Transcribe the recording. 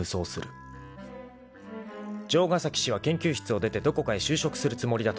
［城ヶ崎氏は研究室を出てどこかへ就職するつもりだという］